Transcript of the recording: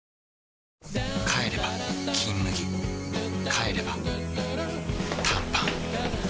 帰れば「金麦」帰れば短パン